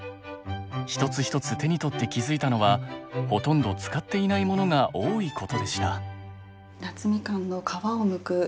一つ一つ手に取って気づいたのはほとんど使っていないものが多いことでした。